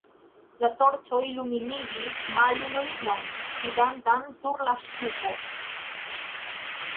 La torĉoj lumigis maljunulinon, sidantan sur la ŝtupo.